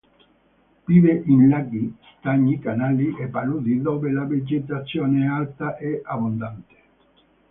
Vive in laghi, stagni, canali e paludi, dove la vegetazione è alta e abbondante.